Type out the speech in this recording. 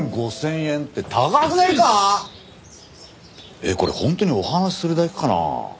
えっこれ本当にお話するだけかなあ？